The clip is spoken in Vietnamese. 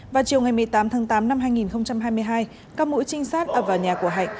vào chiều ngày một mươi tám tháng tám năm hai nghìn hai mươi hai các mũi trinh sát ở vào nhà của hạnh